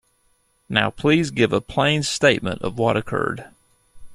Now please give a plain statement of what occurred.